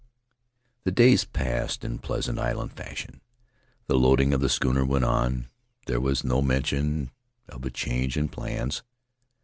"The days passed in pleasant island fashion; the loading of the schooner went on; there was no mention of a change in plans.